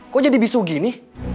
kok jadi bisu gini